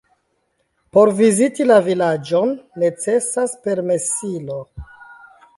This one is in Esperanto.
Por viziti la vilaĝon necesis permesilo.